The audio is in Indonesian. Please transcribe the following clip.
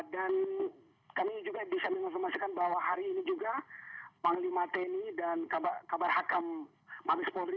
dan kami juga bisa memastikan bahwa hari ini juga panglima tni dan kabar hakam mabes polri